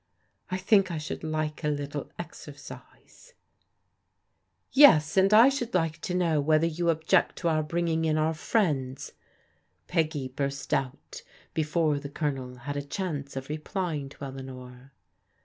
I think I should like a little exer cise/* «€ Yes, and I should like to know whether you object to our bringing in our friends ?'* Peggy burst out before the Colonel had a chance of repl)n[ng to Eleanor.